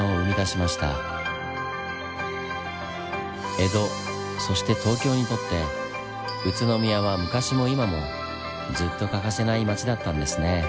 江戸そして東京にとって宇都宮は昔も今もずっと欠かせない町だったんですねぇ。